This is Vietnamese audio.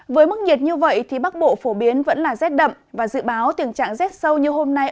với mức nhiệt như vậy thì bắc bộ phổ biến vẫn là rét đậm và dự báo tình trạng rét sâu như hôm nay